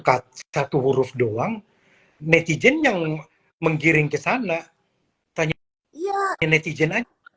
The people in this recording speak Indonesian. kata satu huruf doang netizen yang menggiring kesana tanya netizen